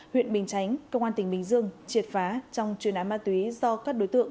huyện bình chánh công an tỉnh bình dương triệt phá trong chuyên án ma túy do các đối tượng